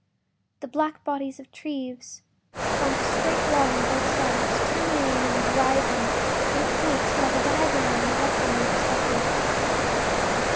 The black bodies of the trees formed a straight wall on both sides, terminating on the horizon in a point, like a diagram in a lesson in perspective.